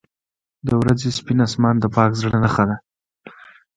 • د ورځې سپین آسمان د پاک زړه نښه ده.